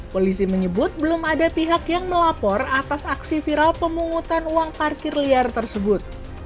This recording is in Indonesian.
polisi menyebut belum ada pihak yang melapor atas aksi viral pemungutan uang parkir liar tersebut